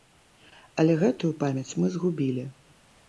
Але гэтую памяць мы згубілі.